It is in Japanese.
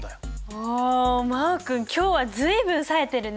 お真旺君今日は随分さえてるね！